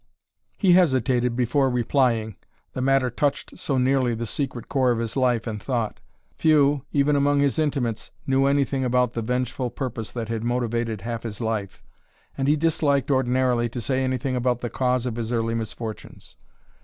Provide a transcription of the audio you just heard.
He hesitated before replying, the matter touched so nearly the secret core of his life and thought. Few, even among his intimates, knew anything about the vengeful purpose that had motived half his life, and he disliked ordinarily to say anything about the cause of his early misfortunes.